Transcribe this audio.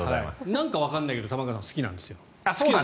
なんかわかんないけど玉川さん、好きなんですよ。